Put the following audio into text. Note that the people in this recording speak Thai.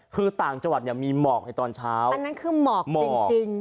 คือต่างจังหวัดเนี่ยมีหมอกในตอนเช้าอันนั้นคือหมอกหมอกจริง